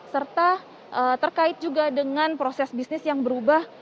serta terkait juga dengan proses bisnis yang berubah